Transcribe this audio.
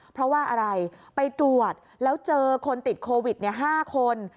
เพราะว่าอะไรไปตรวจแล้วเจอคนติดโควิด๕คน